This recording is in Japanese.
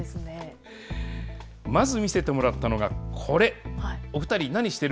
まず見せてもらったのがこれ。